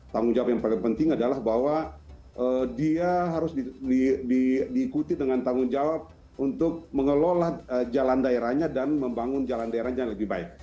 tanggung jawab yang paling penting adalah bahwa dia harus diikuti dengan tanggung jawab untuk mengelola jalan daerahnya dan membangun jalan daerahnya lebih baik